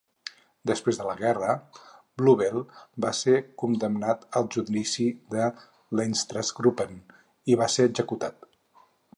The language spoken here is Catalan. Després de la guerra, Blobel va ser condemnat al judici de l'Einsatzgruppen i va ser executat.